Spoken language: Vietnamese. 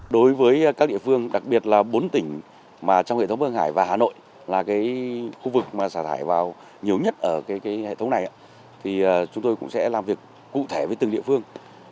đối với các địa phương đặc biệt là bốn tỉnh mà trong hệ thống hương hải và hà nội là khu vực mà xả thải vào nhiều nhất ở hệ thống này thì chúng tôi cũng sẽ làm việc cụ thể với từng địa phương